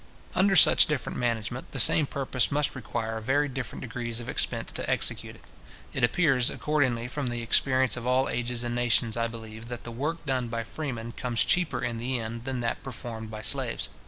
Under such different management, the same purpose must require very different degrees of expense to execute it. It appears, accordingly, from the experience of all ages and nations, I believe, that the work done by freemen comes cheaper in the end than that performed by slaves.